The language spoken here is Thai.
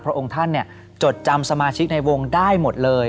องค์ท่านจดจำสมาชิกในวงได้หมดเลย